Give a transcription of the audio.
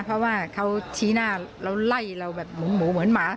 เพราะว่าเขาชี้หน้าเราไล่เราแบบหมูเหมือนหมา